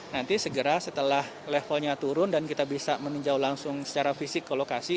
nanti segera setelah levelnya turun dan kita bisa meninjau langsung secara fisik ke lokasi